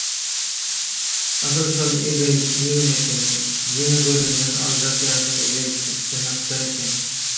Asyl şol egoistligim eken, ýene gözümden akjak ýaşam egoistlikden akjak eken.